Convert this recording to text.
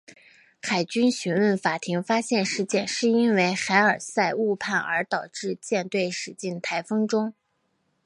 海军讯问法庭发现事件是因为海尔赛误判而导致舰队驶进台风中。